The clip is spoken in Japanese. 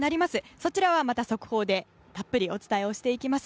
そちらはまた速報でたっぷりお伝えをしていきます。